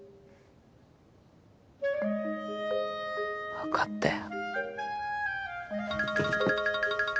分かったよ。